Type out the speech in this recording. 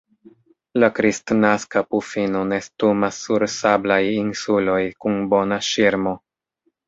La Kristnaska pufino nestumas sur sablaj insuloj kun bona ŝirmo.